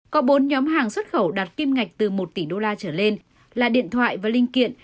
có bốn nhóm hàng xuất khẩu đạt kim ngạch từ một tỷ đô la trở lên là điện thoại và linh kiện